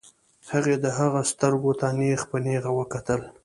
هغې د هغه سترګو ته نېغ په نېغه وکتل.